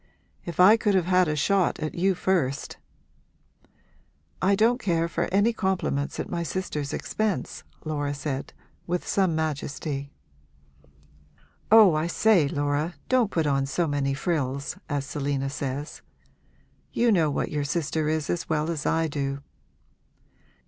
If I could have had a shot at you first!' 'I don't care for any compliments at my sister's expense,' Laura said, with some majesty. 'Oh I say, Laura, don't put on so many frills, as Selina says. You know what your sister is as well as I do!'